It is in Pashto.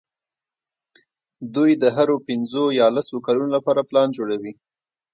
دوی د هرو پینځو یا لسو کلونو لپاره پلان جوړوي.